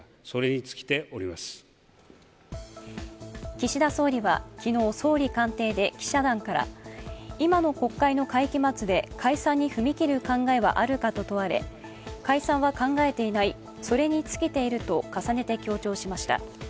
岸田総理は昨日、総理官邸で記者団から今の国会の会期末で解散に踏み切る考えはあるかと問われ解散は考えていない、それに尽きていると重ねて強調しました。